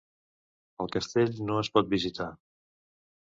El castell no es pot visitar.